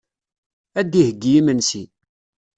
Ad d-iheyyi imensi.